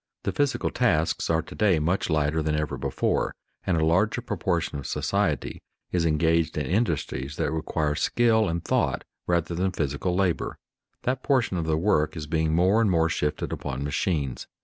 The physical tasks are to day much lighter than ever before, and a larger proportion of society is engaged in industries that require skill and thought rather than physical labor. That portion of the work is being more and more shifted upon machines.